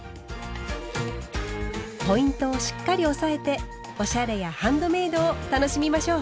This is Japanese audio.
ポイントをしっかり押さえておしゃれやハンドメイドを楽しみましょう。